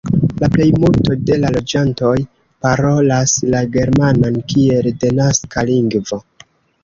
La plejmulto de la loĝantoj parolas la germanan kiel denaska lingvo.